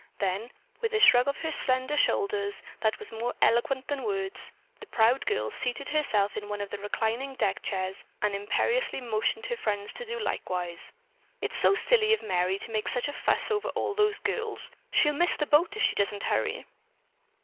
Then, with a shrug of her slender shoulders that was more eloquent than words, the proud girl seated herself in one of the reclining deck chairs and imperiously motioned her friends to do likewise. "It's so silly of Merry to make such a fuss over all those girls. She'll miss the boat if she doesn't hurry."